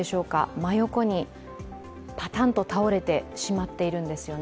真横にパタンと倒れてしまっているんですよね。